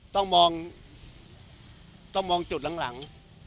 ต้องมองจุดหลัง